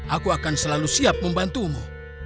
aku akan selalu siap membantumu